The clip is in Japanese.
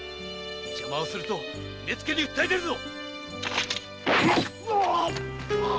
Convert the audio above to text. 邪魔をすると目付に訴え出るぞ！